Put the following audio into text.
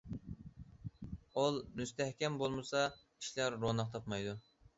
ئۇل مۇستەھكەم بولمىسا، ئىشلار روناق تاپمايدۇ.